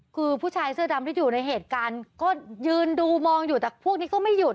คือผู้ชายเสื้อดำที่อยู่ในเหตุการณ์ก็ยืนดูมองอยู่แต่พวกนี้ก็ไม่หยุด